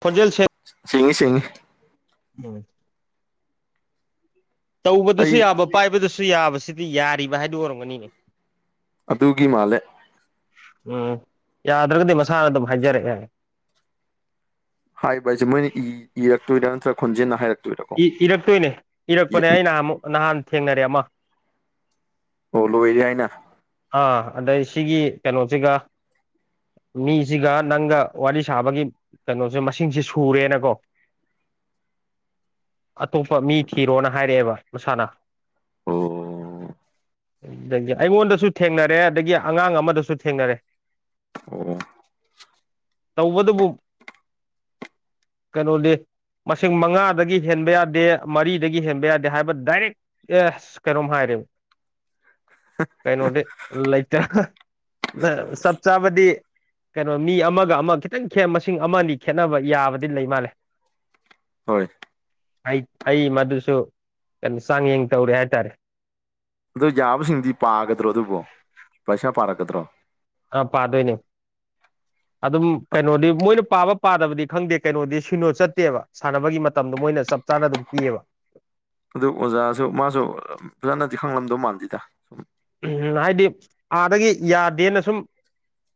ꯈꯣꯖꯦꯜ ꯁꯦ ꯁꯦꯡꯉ ꯁꯉ ꯍ ꯇꯧꯕꯗꯁꯨ ꯑꯩ ꯌꯥꯕ ꯄꯥꯏꯕꯗꯁꯨ ꯌꯥꯕꯁꯤꯗꯤ ꯌꯥꯔꯤꯕ ꯍꯥꯏꯗꯨ ꯑꯣꯏꯔꯝꯒꯅꯤꯅꯦ ꯑꯗꯨꯒꯤ ꯃꯥꯜꯂꯦ ꯎꯝ ꯌꯥꯗ꯭ꯔꯒꯗꯤ ꯃꯁꯥꯅ ꯑꯗꯨꯝ ꯍꯥꯏꯖꯔꯛꯑꯦ ꯍꯥꯏꯕ ꯍꯥꯏꯁꯦ ꯃꯣꯏꯅ ꯏ ꯏꯔꯛꯇꯣꯏꯔꯥ ꯅꯠꯇ꯭ꯔꯒ ꯈꯣꯟꯖꯦꯜꯟꯅ ꯍꯥꯏꯔꯛꯇ ꯏꯔꯛꯇꯣꯏꯅꯦ ꯏꯔꯛꯄꯅꯦ ꯑꯩꯅ ꯑꯃꯨꯛ ꯅꯍꯥꯟ ꯊꯦꯡꯅꯔꯦ ꯑꯃ ꯑꯣ ꯂꯣꯏꯋ ꯌꯥꯏꯅ ꯑꯥ ꯑꯗꯩ ꯁꯤꯒꯤ ꯀꯩꯅꯣꯁꯤꯒ ꯃꯤꯁꯤꯒ ꯅꯪꯒ ꯋꯥꯔꯤ ꯁꯥꯕꯒꯤ ꯀꯩꯅꯣꯁꯦ ꯃꯁꯤꯡꯁꯦ ꯁꯨꯔꯦꯅꯀꯣ ꯑꯇꯣꯞꯄ ꯃꯤ ꯊꯤꯔꯣꯅ ꯍꯥꯏꯔꯛꯑꯦꯕ ꯃꯁꯥꯅ ꯑꯣ ꯑꯩꯉꯣꯟꯗꯁꯨ ꯊꯦꯡꯅꯔꯦ ꯑꯗꯒꯤ ꯑꯉꯥꯡ ꯑꯃꯗꯁꯨ ꯊꯦꯡꯅꯔꯦ ꯑꯣ ꯇꯧꯕꯗꯨꯕꯨ ꯀꯩꯅꯣꯗꯤ ꯃꯁꯤꯡ ꯃꯉꯥꯗꯒꯤ ꯍꯦꯟꯕ ꯌꯥꯗꯦ ꯃꯔꯤꯗꯒꯤ ꯍꯦꯟꯕ ꯌꯥꯗꯦ ꯍꯥꯏꯕ ꯗꯥꯏꯔꯦꯛ ꯑꯦ ꯀꯩꯅꯣꯝ ꯍꯥꯏꯔꯦꯕ ꯀꯩꯅꯣꯗꯤ ꯂꯩꯇꯦ ꯆꯞ ꯆꯥꯕꯗꯤ ꯀꯩꯅꯣ ꯃꯤ ꯑꯃꯒ ꯑꯃ ꯈꯤꯇꯪ ꯈꯦꯠ ꯃꯁꯤꯡ ꯑꯃꯗꯤ ꯈꯦꯠꯅꯕ ꯌꯥꯕꯗꯤ ꯂꯩ ꯃꯥꯜꯂꯦ ꯍꯣꯏ ꯑꯩ ꯑꯩ ꯃꯗꯨꯁꯨ ꯀꯩꯅꯣ ꯆꯥꯡꯌꯦꯡ ꯇꯧꯔꯦ ꯍꯥꯏꯇꯥꯔꯦ ꯑꯗ ꯌꯥꯕꯁꯤꯡꯗꯤ ꯄꯥꯒꯗ꯭ꯔꯣ ꯑꯗꯨꯕꯨꯣ ꯄꯩꯁꯥ ꯄꯥꯔꯛꯀꯗ꯭ꯔꯣ ꯑ ꯄꯗꯣꯏꯅꯦ [unintelligible] ꯑꯗꯨꯝ ꯀꯩꯅꯣꯗꯤ ꯃꯣꯏꯅ ꯄꯥꯕ ꯄꯥꯗꯕꯗꯤ ꯈꯪꯗꯦ ꯀꯩꯅꯣꯗꯤ ꯁꯤꯅꯣ ꯆꯠꯇꯦꯕ ꯁꯥꯟꯅꯕꯒꯤ ꯃꯇꯝꯗꯣ ꯃꯣꯏꯅ ꯆ ꯆꯥꯅ ꯑꯗꯨꯝ ꯄꯤꯌꯦꯕ ꯑꯗꯨ ꯑꯣꯖꯥꯁꯨ ꯃꯥꯁꯨ ꯐꯖꯅꯗꯤ ꯈꯪꯂꯝꯗꯧ ꯃꯥꯟꯗꯦꯗ ꯁꯨꯝ ꯎꯝ ꯍꯥꯏꯗꯤ ꯑꯥꯗꯒꯤ ꯌꯥꯗꯦꯅ ꯁꯨꯝ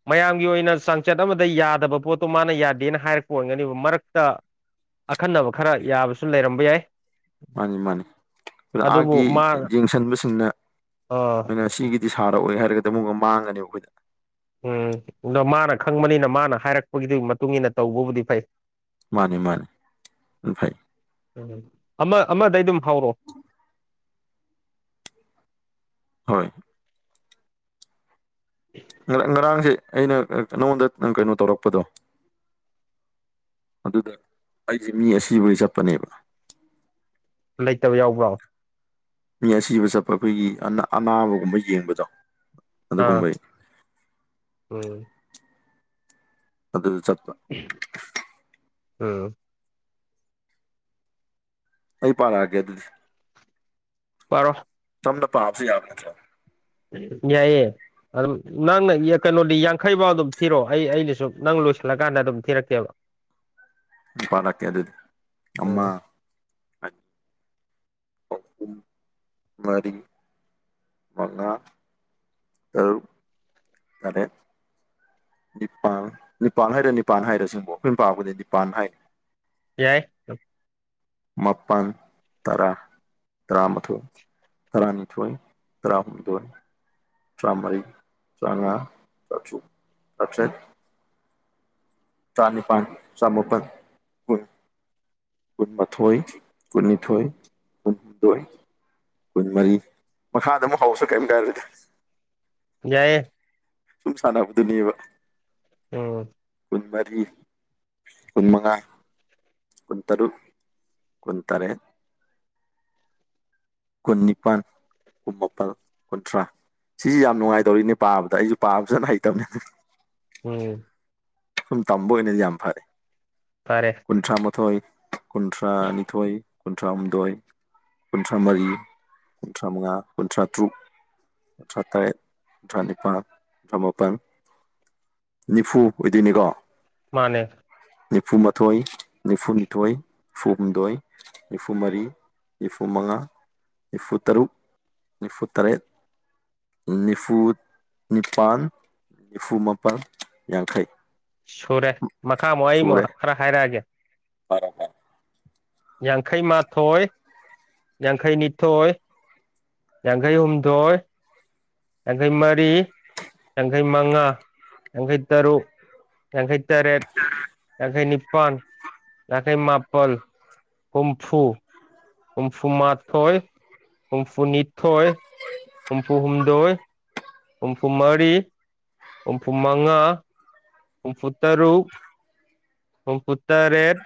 ꯃꯌꯥꯝꯒꯤ ꯑꯣꯏꯅ ꯆꯥꯡꯆꯠ ꯑꯃꯗ ꯌꯥꯗꯕ ꯄꯣꯠꯇꯣ ꯃꯥꯅ ꯌꯥꯗꯦꯅ ꯍꯥꯏꯔꯛꯄ ꯑꯣꯏꯒꯅꯤꯕ ꯃꯔꯛꯇ ꯑꯈꯟꯅꯕ ꯈꯔ ꯌꯥꯕꯁꯨ ꯂꯩꯔꯝꯕ ꯌꯥꯏ ꯃꯥꯅꯤ ꯃꯥꯅꯤ ꯑꯗꯨ ꯑꯗꯨꯕꯨ ꯑꯥꯒꯤ ꯃꯥ ꯌꯦꯡꯁꯤꯟꯕꯁꯤꯡꯅ ꯑꯩꯣꯏꯅ ꯁꯤꯒꯤ ꯗꯤ ꯁꯥꯔꯛꯑꯣꯦ ꯍꯥꯏꯔꯒꯗꯤ ꯑꯃꯨꯛꯒ ꯃꯥꯡꯒꯅꯦꯕ ꯑꯩꯈꯣꯏꯗ ꯎꯝ ꯑꯗꯣ ꯃꯥꯅ ꯈꯪꯕꯅꯤꯅ ꯃꯥꯅ ꯍꯥꯏꯔꯛꯄꯒꯤꯗꯨꯒꯤ ꯃꯇꯨꯡ ꯏꯟꯅ ꯇꯧꯕꯕꯨꯗꯤ ꯐꯩ ꯃꯥꯅꯦ ꯃꯥꯅꯦ ꯑꯐꯩ ꯎꯝ ꯑꯃ ꯑꯃꯗꯩ ꯑꯗꯨꯝ ꯍꯧꯔꯛꯑꯣ ꯍꯣꯏ ꯎꯝ ꯉ ꯉꯔꯥꯡꯁꯦ ꯑꯩꯅ ꯅꯉꯣꯟꯗ ꯀꯩꯅꯣ ꯇꯧꯔꯛꯄꯗꯣ ꯑꯗꯨꯗ ꯑꯩꯁꯦ ꯃꯤ ꯑꯁꯤꯕꯒꯤ ꯆꯠꯄꯅꯦꯕ ꯂꯩꯇꯕ ꯌꯥꯎꯕ꯭ꯔꯣ ꯃꯤ ꯑꯁꯤꯕ ꯆꯠꯄ ꯑꯩꯈꯣꯏꯒꯤ ꯑꯅꯥꯕꯒꯨꯝꯕ ꯌꯦꯡꯕꯗꯣ ꯑꯥ ꯑꯗꯨꯒꯨꯝꯕꯩ ꯎꯝ ꯑꯗꯨꯗ ꯆꯠꯄ ꯑꯝ ꯑꯩ ꯄꯥꯔ ꯍꯥꯏꯒꯦ ꯑꯗꯨꯗꯤ ꯄꯔꯣ ꯇꯝꯅ ꯄꯥꯕꯁꯨ ꯌꯥꯕ ꯅꯠꯇ꯭ꯔꯣ ꯌꯥꯏꯌꯦ ꯑꯗꯨꯝ ꯅꯪꯅ ꯀꯩꯅꯣꯗꯤ ꯌꯥꯡꯈꯩꯐꯥꯎ ꯑꯗꯨꯝ ꯊꯤꯔꯛꯑꯣ ꯑꯩ ꯑꯩꯅꯁꯨ ꯅꯪ ꯂꯣꯏꯁꯤꯜꯂꯀꯥꯟꯗ ꯑꯗꯨꯝ ꯊꯤꯔꯛꯀꯦꯕ ꯄꯥꯔ ꯀꯦ ꯑꯗꯨ ꯑꯗꯨꯗꯤ ꯑꯃ ꯎꯝ ꯃꯥꯔꯤ ꯃꯉ ꯇꯥꯔꯨꯛ ꯇꯔꯦꯠ ꯅꯤꯄꯥꯜ ꯅꯤꯄꯥꯟ ꯍꯥꯏꯔꯦ ꯅꯤꯄꯥꯟ ꯍꯥꯏꯔ ꯁꯤꯁꯤꯡꯕꯣ ꯑꯩꯈꯣꯏꯅ ꯄꯥꯄꯗꯤ ꯅꯤꯄꯥꯟ ꯍꯥꯏꯔ ꯌꯥꯏ ꯃꯥꯄꯜ ꯇꯔꯥ ꯇꯔꯥꯃꯥꯊꯣꯏ ꯇꯔꯥꯅꯤꯊꯣꯏ ꯇꯔꯥꯍꯨꯝꯗꯣꯏ ꯇꯔꯥꯃꯔꯤ ꯇ꯭ꯔꯥꯉꯥ ꯆꯥꯆꯨ ꯆꯥꯇ꯭ꯔꯦꯠ ꯆꯥꯅꯤꯄꯥꯟ ꯆ ꯃꯄꯥꯜ ꯀꯨꯟꯃꯥꯊꯣꯏ ꯀꯨꯟꯅꯤꯊꯣꯏ ꯀꯨꯟꯍꯨꯝꯗꯣꯏ ꯀꯨꯟ ꯃꯔꯤ ꯃꯈꯥꯗ ꯑꯃꯨꯛ ꯍꯧꯔꯁ ꯀꯔꯤꯝꯇ ꯀꯥꯏꯗꯦꯗꯥ ꯌꯥꯏꯌꯦ ꯁꯨꯝ ꯁꯥꯟꯅꯕꯗꯨꯅꯦꯕ ꯎꯝ ꯀꯨꯟꯃꯔꯤ ꯀꯨꯟꯃꯉꯥ ꯀꯟꯠꯇꯔꯨ ꯀꯟꯠꯇꯔꯦ ꯀꯨꯟꯅꯤꯄꯟ ꯀꯨꯝ ꯃꯥꯄꯜ ꯀꯨꯟꯊ꯭ꯔꯥ ꯁꯤꯁꯤ ꯌꯥꯝ ꯅꯨꯡꯉꯥꯏꯇꯧꯔꯤꯅꯦ ꯄꯥꯕꯗ ꯑꯩꯁꯨ ꯄꯥꯕ ꯐꯖꯅ ꯍꯩꯇꯕꯅꯤ ꯎꯝ ꯁꯨꯝ ꯇꯝꯕ ꯑꯣꯏꯅꯗꯤ ꯌꯥꯝ ꯐꯔꯦ ꯐꯔꯦ ꯀꯨꯟꯊ꯭ꯔꯥ ꯃꯥꯥꯊꯣꯏ ꯀꯨꯟꯊ꯭ꯔꯥ ꯅꯤꯊꯣꯏ ꯀꯨꯟꯊ꯭ꯔꯥꯍꯨꯝꯗꯣꯏ ꯀꯨꯟꯊ꯭ꯔꯥ ꯃꯔꯤ ꯀꯨꯟꯊ꯭ꯔꯥ ꯃꯉꯥ ꯀꯨꯟꯊ꯭ꯔꯥ ꯇꯔꯨꯛ ꯥ ꯀꯨꯟꯊꯔꯥ ꯇꯥꯔꯦꯠ ꯀꯨꯅꯊꯔꯥ ꯅꯤꯄꯟ ꯀꯨꯟꯇꯔꯥ ꯃꯄꯥꯜ ꯅꯤꯐꯨ ꯑꯣꯏꯗꯣꯏꯅꯤꯀꯣ ꯃꯥꯅꯦ ꯅꯤꯐꯨꯃꯥꯊꯣꯏ ꯅꯤꯐꯨꯅꯤꯊꯣꯏ ꯅꯤꯐꯨ ꯍꯨꯝꯗꯣꯏ ꯅꯤꯐꯨ ꯃꯔꯤ ꯅꯤꯐꯨꯃꯉꯥ ꯅꯤꯐꯨꯇꯔꯨꯛ ꯅꯤꯐꯨꯇꯔꯦꯠ ꯅꯤꯐꯨ ꯅꯤꯄꯥꯥꯟ ꯅꯤꯐꯨ ꯃꯥꯄꯜ ꯌꯥꯡꯈꯩ ꯁꯨꯔꯦ ꯃꯈꯥꯃꯨꯛ ꯑꯩꯃꯨꯛ ꯈꯔ ꯍꯥꯏꯔꯛꯑꯒꯦ ꯍꯥꯏꯔꯛꯑꫭ ꯌꯥꯡꯈꯩ ꯃꯥꯊꯣꯏ ꯌꯥꯡꯈꯩꯅꯤꯊꯣꯏ ꯌꯥꯡꯈꯩ ꯍꯨꯝꯗꯣꯏ ꯌꯥꯡꯈꯩ ꯃꯔꯤ ꯌꯥꯡꯈꯩ ꯃꯉꯥ ꯌꯥꯡꯈꯩ ꯇꯔꯨꯛ ꯌꯥꯡꯈꯩ ꯇꯔꯦꯠ ꯌꯥꯡꯈꯩ ꯅꯤꯄꯥꯟ ꯌꯥꯡꯈꯩ ꯃꯥꯄꯜ ꯍꯨꯝꯐꯨ ꯍꯨꯝꯐꯨꯃꯥꯊꯣꯏ ꯍꯨꯝꯐꯨꯅꯤꯊꯣꯏ ꯍꯨꯝꯐꯨ ꯍꯨꯝꯗꯣꯏ ꯍꯨꯝꯐꯨ ꯃꯔꯤ ꯍꯨꯝꯐꯨ ꯃꯉꯥ ꯍꯨꯝꯐꯨꯇꯔꯨꯛ ꯍꯨꯝꯐꯨꯇꯔꯦꯠ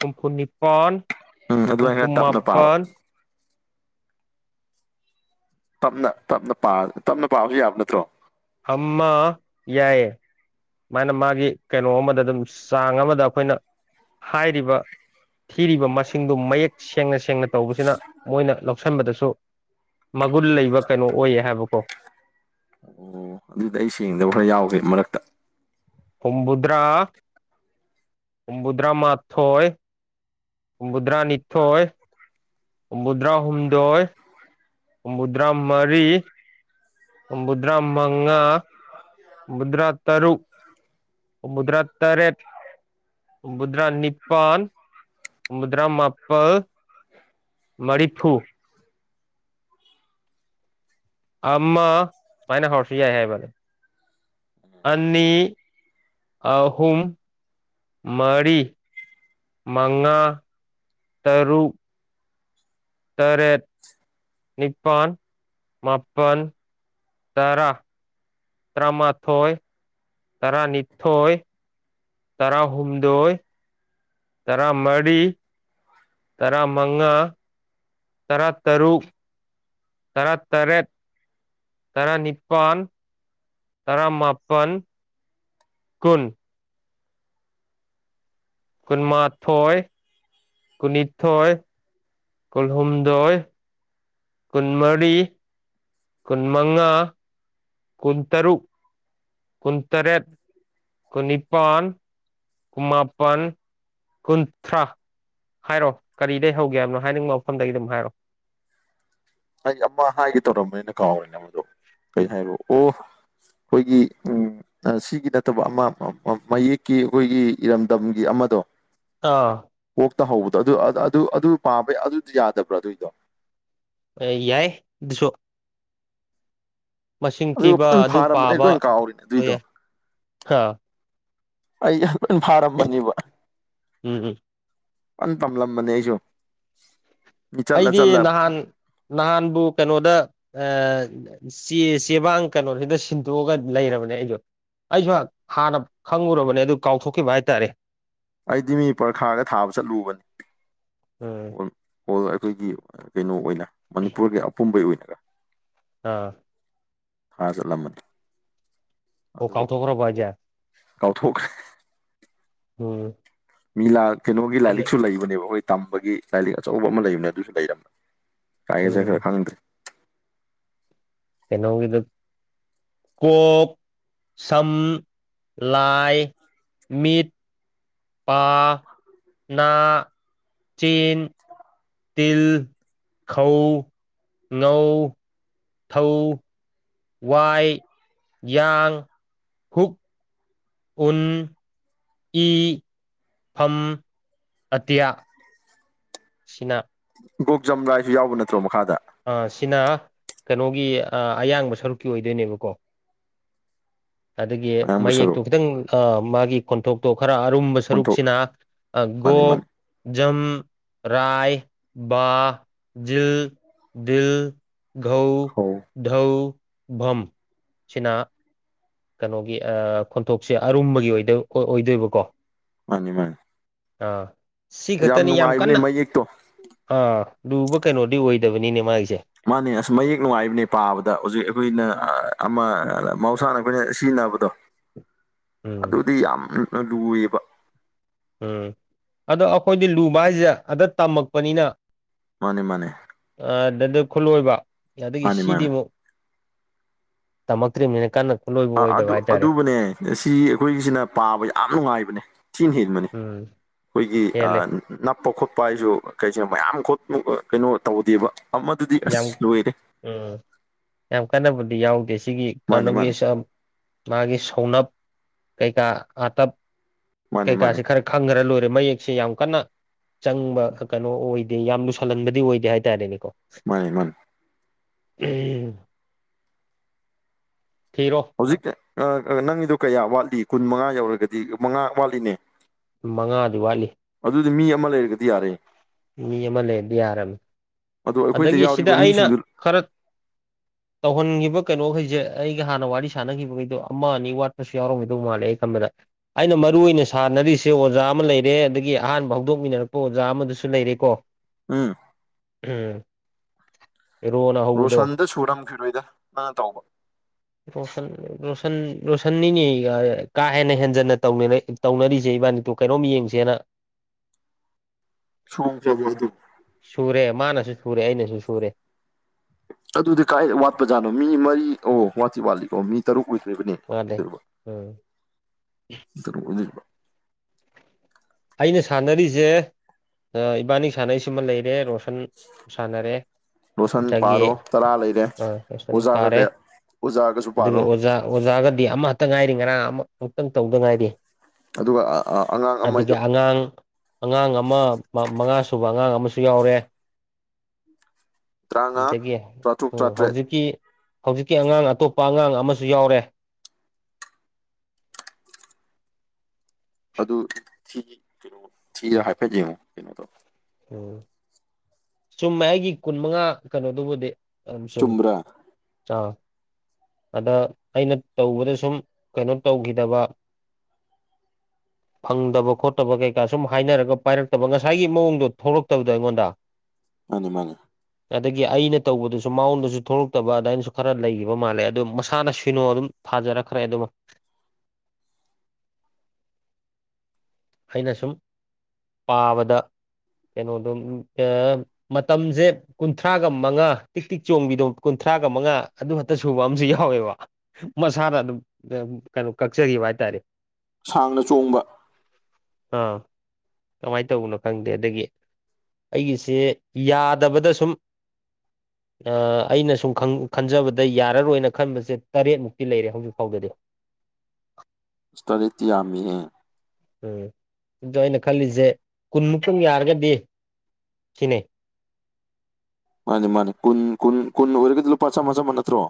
ꯍꯨꯝꯐꯨꯅꯤꯄꯜ ꯎꯝ ꯑꯗꯨꯃꯥꯏ ꯈꯔ ꯇꯞꯅ ꯄꯥꯕꯥ ꯞꯞ ꯇꯞꯅ ꯄꯥꯕꯁꯨ ꯌꯥꯕ ꯅꯠꯇ꯭ꯔꯣ ꯑꯃ ꯌꯥꯏ ꯁꯨꯃꯥꯏꯅ ꯃꯥꯒꯤ ꯀꯩꯅꯣ ꯑꯃꯗ ꯑꯗꯨꯝ ꯆꯥꯡ ꯑꯃꯗ ꯑꯩꯈꯣꯏꯅ ꯍꯥꯏꯔꯤꯕ ꯊꯤꯔꯤꯕ ꯃꯁꯤꯡꯗꯨ ꯃꯌꯦꯛ ꯁꯦꯡꯅ ꯁꯦꯡꯅ ꯇꯧꯕꯁꯤꯅ ꯃꯣꯏꯅ ꯂꯧꯁꯤꯟꯕꯗꯁꯨ ꯃꯒꯨꯟ ꯂꯩꯕ ꯀꯩꯅꯣ ꯑꯣꯏꯌꯦ ꯍꯥꯏꯕꯀꯣ ꯑꯣ ꯑꯗꯨꯗꯤ ꯑꯩ ꯁꯦꯡꯗꯕ ꯈꯔ ꯌꯥꯎꯒꯦ ꯃꯔꯛꯇ ꯍꯨꯗ꯭ꯔꯥ ꯍꯨꯗ꯭ꯔꯥ ꯃꯥꯊꯣꯏ ꯍꯨꯝꯐꯨꯇꯔꯥꯅꯤꯊꯣꯏ ꯍꯨꯝꯐꯨꯇꯔꯥꯍꯨꯝꯗꯣꯏ ꯍꯨꯝꯐꯨꯇꯔꯥ ꯃꯔꯤ ꯍꯝꯕꯗ꯭ꯔꯥ ꯃꯉꯥ ꯍꯨꯝꯗꯔꯥ ꯇꯔꯨꯛ ꯍꯨꯝꯕꯨꯗ꯭ꯔꯥ ꯇꯔꯦꯠ ꯍꯨꯝꯕꯨꯗ꯭ꯔꯥ ꯅꯤꯄꯥꯟ ꯍꯨꯝꯕꯨꯗ꯭ꯔꯥ ꯃꯥꯄꯜ ꯃꯔꯤꯐꯨ ꯑꯃ ꯁꯨꯃꯥꯏꯅ ꯍꯧꯔꯁꯨ ꯌꯥꯏ ꯍꯥꯏꯕꯗ ꯑꯅꯤ ꯑꯍꯨꯝ ꯃꯔꯤ ꯃꯉꯥ ꯇꯔꯨꯛ ꯇꯔꯦꯠ ꯅꯤꯄꯥꯜ ꯃꯥꯄꯜ ꯇꯔꯥ ꯇ꯭ꯔꯥꯃꯊꯣꯏ ꯇꯔꯥꯅꯤꯊꯣꯏ ꯇꯔꯥꯍꯨꯝꯗꯣꯏ ꯇꯔꯥꯃꯔꯤ ꯇꯔꯥꯃꯉꯥ ꯇꯔꯥ ꯇꯔꯨꯛ ꯇꯔꯥ ꯇꯔꯦꯠ ꯇꯔꯥꯅꯤꯄꯜ ꯇꯔꯥꯃꯄꯟ ꯀꯨꯟ ꯀꯨꯟꯃꯥꯊꯣꯏ ꯀꯨꯟꯅꯤꯊꯣꯏ ꯀꯨꯜꯍꯨꯝꯗꯣꯏ ꯀꯨꯟꯃꯔꯤ ꯀꯨꯟꯃꯉꯥ ꯀꯨꯟꯇꯔꯨꯛ ꯀꯨꯟꯇꯔꯦꯠ ꯀꯨꯟꯅꯤꯄꯥꯟ ꯀꯨꯟꯃꯥꯄꯟ ꯀꯨꯟꯊ꯭ꯔꯥ ꯍꯥꯏꯔꯣ ꯀꯔꯤꯗꯩ ꯍꯧꯒꯦ ꯍꯥꯏꯕꯅꯣ ꯍꯥꯏꯅꯤꯡꯕ ꯃꯐꯝꯗꯒꯤ ꯑꯗꯨꯝ ꯍꯥꯏꯔꯣ ꯑꯩ ꯑꯃ ꯍꯥꯏꯒꯦ ꯇꯧꯔꯝꯕꯅꯦ ꯀꯥꯎꯔꯦꯅꯦ ꯃꯗꯣ ꯀꯔꯤ ꯍꯥꯏꯔꯛꯑꯣ ꯑꯩꯈꯣꯏꯒꯤ ꯎꯝ ꯁꯤꯒꯤ ꯅꯠꯇꯕ ꯑꯃ ꯃ ꯃꯌꯦꯛꯀꯤ ꯑꯩꯈꯣꯏꯒꯤ ꯏꯔꯝꯗꯝꯒꯤ ꯑꯃꯗꯣ ꯑꯥ ꯀꯣꯛꯇ ꯍꯧꯕꯗꯣ ꯑꯗꯨ ꯑꯗꯨ ꯑꯗꯨ ꯄꯥꯕ ꯑꯗꯨꯗꯤ ꯌꯥꯗꯕ꯭ꯔꯥ ꯑꯗꯨꯏꯗꯣ ꯑꯦ ꯌꯥꯏ ꯑꯗꯨꯁꯨ ꯃꯁꯤꯡ ꯑꯗꯨ ꯊꯤꯕ [unintelligible] ꯑꯗꯨ ꯐꯥꯔꯝꯕꯅꯦ ꯑꯩ ꯄꯥꯕ ꯂꯣꯏ ꯀꯥꯎꯔꯦ ꯂꯣꯏ ꯑꯗꯨꯏꯗꯣ ꯌꯥꯏ ꯑꯩ ꯌꯥꯝ ꯐꯥꯔꯝꯕꯅꯦꯕ ꯎꯝ ꯎꯝ ꯑꯝ ꯇꯝꯂꯝꯕꯅꯤ ꯑꯩꯁꯨ ꯃꯤ ꯆꯠꯂ ꯑꯩꯗꯤ ꯆꯠꯂ ꯅꯍꯥꯟ ꯅꯍꯥꯟꯕꯨ ꯀꯩꯅꯣꯗ ꯑ ꯆꯦ ꯆꯦꯕꯥꯡ ꯀꯩꯅꯣꯁꯤꯗ ꯁꯤꯟꯗꯣꯛꯑꯒ ꯂꯩꯔꯕꯅꯦ ꯑꯩꯖꯨ ꯑꯩꯖꯨꯍꯥꯟ ꯍꯥꯟꯅ ꯈꯪꯉꯨꯔꯕꯅꯦ ꯑꯗꯨ ꯀꯥꯎꯊꯣꯛꯈꯤꯕ ꯍꯥꯏꯇꯥꯔꯦ ꯑꯩꯗꯤ ꯄꯔꯈꯥꯗ ꯊꯥꯕ ꯆꯠꯂꯨꯕꯅꯤ ꯎꯝ ꯍꯣꯜ ꯍꯣꯜ ꯑꯩꯈꯣꯏꯒꯤ ꯀꯩꯅꯣ ꯑꯣꯏꯅ ꯃꯅꯤꯄꯨꯔꯒꯤ ꯑꯄꯨꯝꯕꯩ ꯑꯣꯏꯅ ꯑꯥ ꯍꯥꯖꯂꯃꯜ ꯑꯣ ꯀꯥꯎꯊꯣꯛꯈꯔꯕꯣ ꯍꯥꯏꯖꯦ ꯀꯥꯎꯊꯣꯛꯈ꯭ꯔꯦ ꯎꯝ ꯃꯤ ꯂꯥꯛ ꯀꯩꯅꯣꯒꯤ ꯂꯥꯏꯔꯤꯛꯁꯨ ꯂꯩꯕꯅꯦꯕ ꯑꯩꯈꯣꯏ ꯇꯝꯕꯒꯤ ꯂꯥꯏꯔꯤꯛ ꯑꯆꯧꯕ ꯑꯃ ꯂꯩꯕꯅꯦ ꯑꯗꯨꯁꯨ ꯂꯩꯔꯝ ꯀꯥꯏ ꯎꯝ ꯆꯠꯈ꯭ꯔ ꯈꯪꯗꯦ ꯀꯩꯅꯣꯒꯤꯗꯨꯛ ꯀꯣꯛ ꯁꯝ ꯂꯥꯏ ꯃꯤꯠ ꯄꯥ ꯅꯥ ꯆꯤꯟ ꯇꯤꯜ ꯈꯧ ꯉꯧ ꯊꯧ ꯋꯥꯏ ꯌꯥꯡ ꯍꯨꯛ ꯎꯟ ꯏ ꯐꯝ ꯑꯇꯤꯌꯥ ꯁꯤꯅ ꯒꯣꯛꯖꯝ ꯔꯥꯏꯁꯨ ꯌꯥꯎꯕ ꯅꯠꯇ꯭ꯔꯣ ꯃꯈꯥꯗ ꯑꯥ ꯁꯤꯅ ꯀꯩꯅꯣꯒꯤ ꯑ ꯑꯌꯥꯡꯕ ꯁꯔꯨꯛꯀꯤ ꯑꯣꯏꯗꯣꯏꯅꯦꯕꯀꯣ ꯑꯗꯒꯤ ꯑꯌꯥꯝꯕ ꯃꯌꯦꯛꯇꯣ ꯁꯔꯨꯛ ꯈꯤꯇꯪ ꯑꯥ ꯃꯥꯒꯤ ꯈꯣꯟꯊꯣꯛꯇꯣ ꯈꯔ ꯑꯔꯨꯝꯕ ꯈꯣꯟꯊꯣꯛ ꯁꯔꯨꯛꯁꯤꯅ ꯑ ꯃꯥꯅꯤ ꯒꯣꯛ ꯃꯥꯅꯤ ꯖꯝ ꯔꯥꯏ ꯕꯥ ꯖꯤꯜ ꯗꯤꯜ ꯘꯧ ꯈꯧ ꯙꯧ ꯚꯝ ꯁꯤꯅ ꯀꯩꯅꯣꯒꯤ ꯑ ꯈꯣꯟꯊꯣꯛꯁꯦ ꯑꯔꯨꯝꯕꯒꯤ ꯑꯣꯏꯗꯧ ꯑꯣꯏꯗꯣꯏꯕꯀꯣ ꯃꯥꯅꯤ ꯃꯥꯅꯦ ꯑ ꯁꯤ ꯈꯇꯅꯤ ꯌꯥꯝ ꯅꯨꯡꯉꯥꯏꯕꯅꯦ ꯀꯟꯅ ꯃꯌꯦꯛꯇꯣ ꯑꯥ ꯂꯨꯕ ꯀꯩꯅꯣꯗꯤ ꯑꯣꯏꯗꯕꯅꯤꯅꯦ ꯃꯥꯒꯤꯁꯦ ꯃꯥꯅꯦ ꯑꯁ ꯃꯌꯦꯛ ꯅꯨꯡꯉꯥꯏꯕꯅꯦ ꯄꯥꯕꯗ ꯍꯧꯖꯤꯛ ꯑꯩꯈꯣꯏꯅ ꯑ ꯑꯃ ꯃꯍꯧꯁꯥꯅ ꯑꯩꯈꯣꯏꯅ ꯁꯤꯖꯤꯟꯅꯕꯗꯣ ꯎꯝ ꯑꯗꯨꯗꯤ ꯌꯥꯝ ꯂꯨꯏꯕ ꯎꯝ ꯑꯗꯣ ꯑꯩꯈꯣꯏꯗꯤ ꯂꯨꯕ ꯍꯥꯏꯖꯦ ꯑꯗ ꯇꯝꯃꯛꯄꯅꯤꯅ ꯃꯥꯅꯦ ꯃꯥꯅꯦ ꯑꯗ ꯈꯨꯜꯂꯣꯏꯕ ꯑꯗꯒꯤ ꯃꯥꯅꯦ ꯁꯤꯗꯤ ꯃꯥꯅꯦ ꯑꯃꯨꯛ ꯇꯝꯃꯛꯇ꯭ꯔꯤ ꯃꯤꯅꯦꯅ ꯀꯟꯅ ꯈꯨꯠꯂꯣꯏꯕ ꯑꯥ ꯑꯣꯏꯗꯕ ꯑꯗꯨ ꯍꯥꯏꯇꯥꯔꯦ ꯑꯗꯨꯕꯨꯅꯦ ꯁꯤ ꯑꯩꯈꯣꯏꯒꯤꯁꯤꯅ ꯄꯥꯕ ꯌꯥꯝ ꯅꯨꯡꯉꯥꯏꯕꯅꯦ ꯊꯤꯅ ꯍꯦꯟꯕꯅꯤ ꯎꯝ ꯑꯩꯈꯣꯏꯒꯤ ꯄꯦꯜꯂꯦ ꯅꯞꯄ ꯈꯣꯠꯄ ꯍꯥꯏꯁꯨ ꯀꯩꯁꯤꯡꯅ ꯃꯌꯥꯝ ꯈꯣꯠ ꯀꯩꯅꯣ ꯇꯧꯗꯦꯕ ꯑꯃꯗꯨꯗꯤ ꯑꯁ ꯌꯥꯝ ꯂꯣꯏꯔꯦ ꯎꯝ ꯌꯥꯝ ꯀꯥꯟꯅꯕꯨꯗꯤ ꯌꯥꯎꯗꯦ ꯁꯤꯒꯤ ꯃꯥꯅꯦ ꯃꯥꯅꯦ ꯀꯩꯅꯣꯒꯤꯁꯨ ꯃꯥꯒꯤ ꯁꯧꯅꯞ ꯀꯩꯀꯥ ꯑꯥꯇꯞ ꯃꯥꯅꯦ ꯃꯥꯅꯦ ꯀꯩꯀꯥꯁꯦ ꯈꯔ ꯈꯪꯈ꯭ꯔ ꯂꯣꯏꯔꯦ ꯃꯌꯦꯛꯁꯦ ꯌꯥꯝ ꯀꯟꯅ ꯆꯪꯕ ꯀꯩꯅꯣ ꯑꯣꯏꯗꯦ ꯌꯥꯝ ꯂꯨꯁꯜꯍꯟꯕꯗꯤ ꯑꯣꯏꯗꯦ ꯍꯥꯏꯇꯥꯔꯦꯅꯦꯀꯣ ꯃꯥꯅꯤ ꯃꯥꯅꯤ ꯎꯝ ꯊꯤꯔꯣ ꯍꯧꯖꯤꯛ ꯅꯪꯒꯤꯗꯣ ꯀꯌꯥ ꯋꯥꯠꯂꯤ ꯀꯨꯟ ꯃꯉꯥ ꯌꯧꯔꯒꯗꯤ ꯃꯉꯥ ꯋꯥꯠꯂꯤꯅꯦ ꯃꯉꯥꯗꯤ ꯋꯥꯠꯂꯤ ꯑꯗꯨꯗꯤ ꯃꯤ ꯑꯃ ꯂꯩꯔꯒꯗꯤ ꯌꯥꯔꯦ ꯃꯤ ꯑꯃ ꯂꯩꯔꯗꯤ ꯌꯥꯔꯕꯅꯤ ꯑꯗꯣ ꯑꯩꯈꯣꯏꯗ ꯑꯗꯒꯤ ꯁꯤꯗ ꯌꯥꯎꯔꯤꯕ ꯑꯩꯅ ꯃꯤꯁꯤꯡꯗꯨ ꯈꯔ ꯇꯧꯍꯟꯈꯤꯕ ꯀꯩꯅꯣꯈꯩꯁꯦ ꯑꯩꯒ ꯍꯥꯟꯅ ꯋꯥꯔꯤ ꯁꯥꯟꯅꯈꯤꯕꯈꯩꯗꯣ ꯑꯃ ꯑꯅꯤ ꯋꯥꯠ ꯄꯁꯨ ꯌꯥꯎꯔꯝꯈꯤꯗꯧ ꯃꯥꯂꯦ ꯑꯩ ꯈꯟꯕꯗ ꯑꯩꯅ ꯃꯔꯨ ꯑꯣꯏꯅ ꯁꯥꯟꯅꯔꯤꯁꯦ ꯑꯣꯖꯥ ꯑꯃ ꯂꯩꯔꯦ ꯑꯗꯒꯤ ꯑꯍꯥꯟꯕ ꯍꯧꯗꯣꯛꯃꯤꯟꯅꯔꯛꯄ ꯑꯣꯖꯥ ꯑꯃꯗꯁꯨ ꯂꯩꯔꯦꯀꯣ ꯎꯝ ꯎꯝ ꯔꯣꯅ ꯍꯧꯕꯗꯣ ꯔꯣꯁꯟꯗꯨ ꯁꯨꯔꯝꯈꯤꯔꯣꯏꯗ ꯅꯪꯅ ꯇꯧꯕ [unintelligible] ꯔꯣꯁꯟ ꯔꯣꯁꯟꯅꯤꯅꯤ ꯀꯥ ꯍꯦꯟꯅ ꯍꯦꯟꯖꯟꯅ ꯇꯧꯅꯔꯤꯁꯦ ꯏꯕꯥꯅꯤꯗꯣ ꯀꯩꯅꯣꯝ ꯌꯦꯡꯁꯦꯅ [unintelligible] ꯁꯨꯔꯦ ꯃꯥꯅꯁꯨ ꯁꯨꯔꯦ ꯑꯩꯅꯁꯨ ꯁꯨꯔꯦ ꯑꯗꯨꯗꯤ ꯀꯥꯏ ꯋꯥꯠꯄ ꯖꯥꯠꯅꯣ ꯃꯤ ꯃꯔꯤ ꯑꯣ ꯋꯥꯠꯇꯤ ꯋꯥꯠꯂꯤꯀꯣ ꯃꯤ ꯇꯔꯨꯛ ꯑꯣꯏꯗ꯭ꯔꯤꯕꯅꯦ ꯋꯥꯠꯂꯦ ꯎꯝ [unintelligible] ꯑꯩꯅ ꯁꯥꯟꯅꯔꯤꯁꯦ ꯏꯕꯥꯅꯤ ꯁꯥꯟꯅꯔꯤꯁꯤꯃ ꯂꯩꯔꯦ ꯔꯣꯁꯟ ꯁꯟ ꯁꯥꯟꯅꯔꯦ ꯂꯣꯁꯟ ꯑꯗꯒꯤ ꯄꯥꯔꯣ ꯇꯔꯥ ꯂꯩꯔꯦ ꯔꯣꯏꯁꯟ ꯑꯣꯖꯥꯒ ꯄꯥꯔꯦ ꯀꯌꯥ ꯑꯣꯖꯥꯒꯁꯨ ꯑꯗꯨꯒꯤ ꯄꯥꯔꯣ ꯑꯣꯖꯥ ꯑꯣꯖꯥꯒꯗꯤ ꯑꯃꯈꯛꯇ ꯉꯥꯏꯔꯤ ꯉꯔꯥꯡ ꯑꯃ ꯑꯃꯨꯛꯇꯪ ꯇꯧꯗ ꯉꯥꯏꯔꯤ ꯑꯗꯨꯒ ꯑꯉꯥꯡ ꯑꯃ ꯑꯗꯒꯤ ꯑꯉꯥꯡ ꯑꯉꯥꯡ ꯑꯃ ꯃꯉꯥꯁꯨꯨꯕ ꯑꯉꯥꯡ ꯑꯃꯁꯨ ꯌꯥꯎꯔꯦ ꯇꯔꯥꯃꯉꯥ ꯑꯗꯒꯤ ꯇꯔꯥꯇꯔꯨꯛ ꯎꯝ ꯇꯔꯥꯇꯔꯦꯠ ꯍꯧꯖꯤꯛꯀꯤ ꯍꯧꯖꯤꯛꯀꯤ ꯑꯉꯥꯡ ꯑꯇꯣꯞꯄ ꯑꯉꯥꯡ ꯑꯃꯁꯨ ꯌꯥꯎꯔꯦ ꯑꯗꯨ ꯊꯤ ꯀꯩꯅꯣ ꯊꯤꯔ ꯍꯥꯏꯐꯦꯠ ꯌꯦꯡꯉꯣ ꯀꯩꯅꯣ ꯇꯧ ꯎꯝ ꯆꯨꯝꯃꯦ ꯑꯩꯒꯤ ꯀꯨꯟ ꯃꯉꯥ ꯀꯩꯅꯣꯗꯨꯕꯨꯗꯤ ꯆꯨꯝꯕ꯭ꯔꯥ [unintelligible] ꯑꯗ ꯑꯩꯅ ꯇꯧꯕꯗ ꯁꯨꯝ ꯀꯩꯅꯣ ꯇꯧꯈꯤꯗꯕ ꯐꯪꯗꯕ ꯈꯣꯠꯇꯕ ꯀꯩꯀꯥ ꯁꯨꯝ ꯍꯥꯏꯅꯔꯒ ꯄꯥꯏꯔꯛꯇꯕ ꯉꯁꯥꯏꯒꯤ ꯃꯑꯣꯡꯗꯣ ꯊꯣꯛꯂꯛꯇꯕꯗꯣ ꯑꯩꯉꯣꯟꯗ ꯃꯥꯅꯤ ꯃꯥꯅꯦ ꯑꯗꯒꯤ ꯑꯩꯅ ꯇꯧꯕꯗꯨꯁꯨ ꯃꯥꯎꯣꯟꯗꯁꯨ ꯊꯣꯛꯂꯛꯇꯕ ꯑꯗꯨꯃꯥꯏꯅꯁꯨ ꯈꯔ ꯂꯩꯈꯤꯕ ꯃꯥꯜꯂꯦ ꯑꯗꯨ ꯃꯁꯥꯅ ꯁꯤꯅꯣ ꯑꯗꯨꯝ ꯊꯣꯖꯔꯛꯈ꯭ꯔꯦ ꯑꯗꯨꯃ ꯑꯩꯅ ꯁꯨꯝ ꯄꯥꯕꯗ ꯀꯩꯅꯣꯗꯣ ꯃꯇꯝꯁꯦ ꯀꯨꯟꯊ꯭ꯔꯥꯒ ꯃꯉꯥ ꯇꯤꯛ ꯇꯤꯛ ꯆꯣꯡꯕꯤꯗꯣ ꯀꯨꯟꯊ꯭ꯔꯥꯒ ꯃꯉꯥ ꯑꯗꯨ ꯈꯛꯇ ꯁꯨꯕ ꯑꯃꯁꯨ ꯌꯥꯎꯋꯦꯕ ꯃꯁꯥꯅ ꯑꯗꯨꯝ ꯀꯩꯅꯣ ꯀꯛꯆꯈꯤꯕ ꯍꯥꯏꯇꯥꯔꯦ ꯁꯥꯡꯅ ꯆꯣꯡꯕ ꯑꯥ ꯀꯃꯥꯏꯅ ꯇꯧꯕꯅꯣ ꯈꯪꯗꯦ ꯑꯗꯒꯤ ꯑꯩꯒꯤꯁꯦ ꯌꯥꯗꯕꯗ ꯁꯨꯝ [inaudible] ꯑꯩꯅ ꯁꯨꯝ ꯈꯟꯖꯕꯗ ꯌꯥꯔꯔꯣꯏꯅ ꯈꯟꯕꯁꯦ ꯇꯔꯦꯠꯃꯨꯛꯇꯤ ꯂꯩꯔꯦ ꯍꯧꯖꯤꯛ ꯐꯥꯎꯗꯗꯤ ꯇꯔꯦꯠꯇꯤ ꯌꯥꯝꯃꯤꯍꯦ ꯎꯝ ꯑꯗꯣ ꯑꯩꯅ ꯈꯜꯂꯤꯁꯦ ꯀꯨꯟꯃꯨꯛꯛꯇꯪ ꯌꯥꯔꯒꯗꯤ ꯁꯤꯅꯦ ꯃꯥꯅꯦꯃꯥꯅꯦ ꯀꯟ ꯀꯟ ꯀꯨꯟ ꯑꯣꯏꯔꯒ ꯂꯨꯄꯥ ꯆꯥꯝ ꯃꯆꯥ ꯅꯠꯇ꯭ꯔꯣ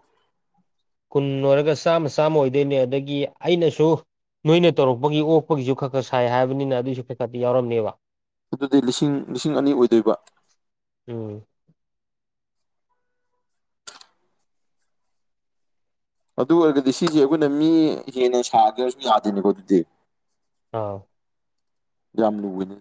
ꯀꯨꯟ ꯂꯣꯏꯔꯒ ꯆꯥꯝꯃ ꯆꯥꯝꯃ ꯑꯣꯏꯗꯣꯏꯅꯦ ꯑꯗꯒꯤ ꯑꯩꯅꯁꯨ ꯅꯣꯏꯅ ꯇꯧꯔꯛꯄꯒꯤ ꯑꯣꯛꯄꯒꯤꯁꯨ ꯈꯔ ꯈꯔ ꯁꯥꯏ ꯍꯥꯏꯕꯅꯤꯅ ꯑꯗꯨꯏꯁꯨ ꯈꯩ ꯈꯗꯤ ꯌꯥꯎꯔꯝꯅꯦꯕ ꯑꯗꯨꯗꯤ ꯂꯤꯁꯤꯡ ꯂꯤꯁꯤꯡ ꯑꯅꯤ ꯑꯣꯏꯗꯣꯏꯕ ꯎꯝ ꯑꯗꯨ ꯑꯣꯏꯔꯒꯗꯤ ꯁꯤꯁꯦ ꯑꯩꯈꯣꯏꯅ ꯃꯤ ꯍꯦꯟꯅ ꯁꯥꯒꯦꯔꯁꯨꯨꯝ ꯌꯥꯗꯦꯅꯤꯀꯣ ꯑꯗꯨꯗꯤ ꯑꯥꯎ ꯌꯥꯝ ꯂꯨꯕꯅꯤ